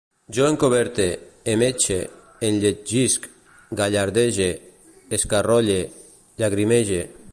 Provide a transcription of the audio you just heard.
Jo encoberte, emmetxe, enlletgisc, gallardege, escarrolle, llagrimege